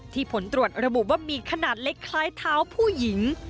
ผลตรวจระบุว่ามีขนาดเล็กคล้ายเท้าผู้หญิง